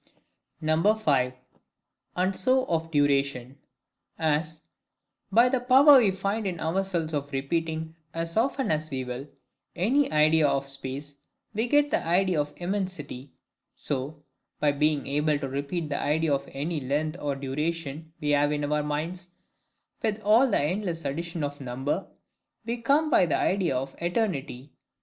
5. And so of Duration. As, by the power we find in ourselves of repeating, as often as we will, any idea of space, we get the idea of IMMENSITY; so, by being able to repeat the idea of any length of duration we have in our minds, with all the endless addition of number, we come by the idea of ETERNITY.